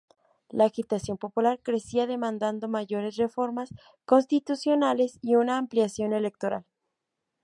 La agitación popular crecía demandando mayores reformas constitucionales y una ampliación electoral.